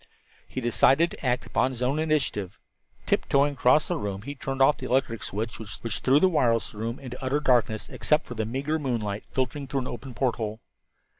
He decided to act upon his own initiative. Tiptoeing across the room, he turned off the electric switch, which threw the wireless room into utter darkness except for the meagre moonlight filtering through an open porthole.